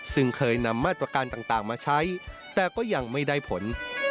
ซึ่งเคยนำมาตรการต่างมาใช้แต่ก็ยังไม่ได้ผล